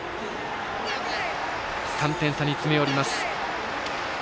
３点差に詰め寄ります。